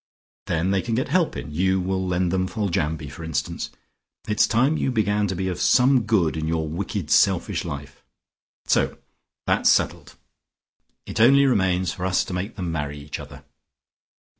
Then they can get help in; you will lend them Foljambe, for instance. It's time you began to be of some good in your wicked selfish life. So that's settled. It only remains for us to make them marry each other."